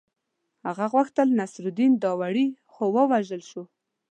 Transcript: هغه غوښتل نصرالدین وډاروي خو ووژل شو.